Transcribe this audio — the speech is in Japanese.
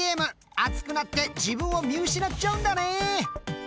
熱くなって自分を見失っちゃうんだね。